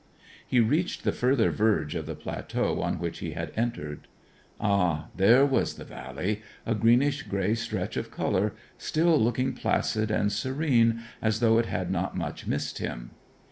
He reached the further verge of the plateau on which he had entered. Ah, there was the valley a greenish grey stretch of colour still looking placid and serene, as though it had not much missed him.